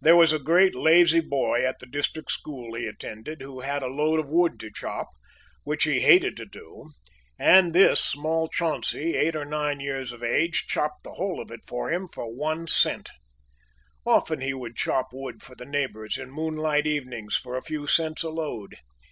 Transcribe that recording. There was a great lazy boy at the district school he attended who had a load of wood to chop, which he hated to do, and this small Chauncey, eight or nine years of age, chopped the whole of it for him for one cent! Often he would chop wood for the neighbors in moonlight evenings for a few cents a load.